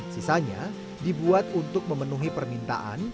sisanya dibuat untuk memenuhi permintaan